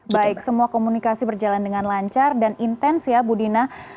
baik semua komunikasi berjalan dengan lancar dan intens ya bu dina